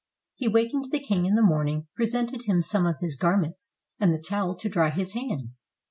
He wakened the king in the morning, presented him some of his garments and the towel to dry his hands.